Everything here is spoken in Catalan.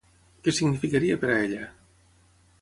Què significaria per a ella?